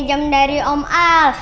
jam dari om al